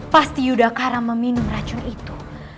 pasti yudhakara meminum racun itu